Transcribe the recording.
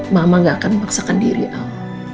mama gak akan memaksakan diri al